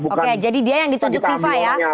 oke jadi dia yang ditunjuk fifa ya